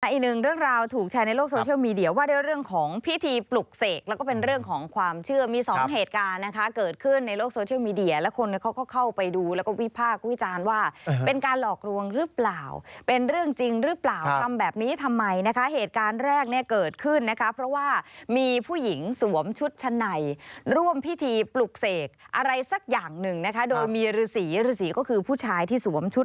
อีกหนึ่งเรื่องราวถูกแชร์ในโลกโซเชียลมีเดียวว่าเรื่องของพิธีปลุกเสกแล้วก็เป็นเรื่องของความเชื่อมีสองเหตุการณ์นะคะเกิดขึ้นในโลกโซเชียลมีเดียแล้วคนเขาก็เข้าไปดูแล้วก็วิพากษ์วิจารณ์ว่าเป็นการหลอกลวงหรือเปล่าเป็นเรื่องจริงหรือเปล่าทำแบบนี้ทำไมนะคะเหตุการณ์แรกเนี่ยเกิดขึ้นนะคะเพราะว่ามี